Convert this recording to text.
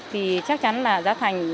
thì chắc chắn là giá thành